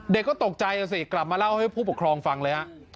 เด็กก็ตกใจนะสิกลับมาเล่าให้ผู้ปกครองฟังเลยฮะ